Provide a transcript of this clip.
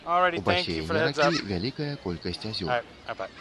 У басейне ракі вялікая колькасць азёр.